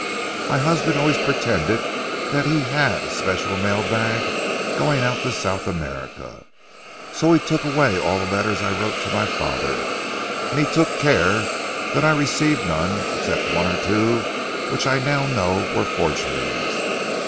My husband always pretended that he had a special mail bag going out to South America, so he took away all the letters I wrote to my father, and he took care that I received none except one or two which I know now were forgeries.